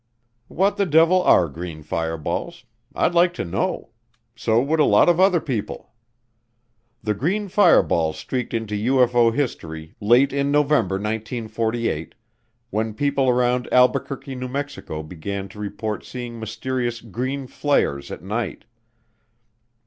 What the devil are green fireballs? I'd like to know. So would a lot of other people. The green fireballs streaked into UFO history late in November 1948, when people around Albuquerque, New Mexico, began to report seeing mysterious "green flares" at night.